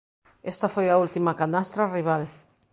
Esta foi a última canastra rival.